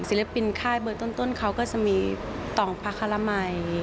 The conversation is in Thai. ศิลปินค่ายเบอร์ต้นเขาก็จะมีต่องพระคารมัย